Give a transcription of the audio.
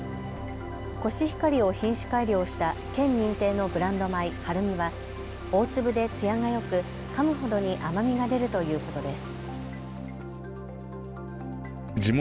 コシヒカリを品種改良した県認定のブランド米、はるみは大粒でつやがよくかむほどに甘みが出るということです。